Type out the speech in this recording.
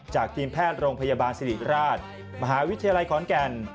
ทีมแพทย์โรงพยาบาลสิริราชมหาวิทยาลัยขอนแก่น